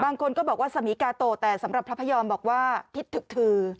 บางคนก็บอกว่าสมีกาโตแต่สำหรับพระพยอมบอกว่าทิศถึกทือ